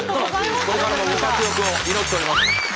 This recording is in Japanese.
これからもご活躍を祈っております。